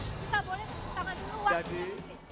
kita boleh tangan luar